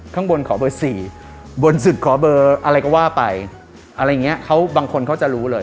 ข้างบนขอเบอร์สี่บนศึกขอเบอร์อะไรก็ว่าไปอะไรอย่างเงี้ยเขาบางคนเขาจะรู้เลย